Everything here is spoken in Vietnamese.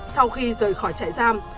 sau khi rời khỏi chạy giam